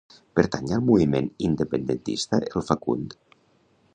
Pertany al moviment independentista el Facund?